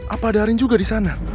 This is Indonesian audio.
apa ada arin juga di sana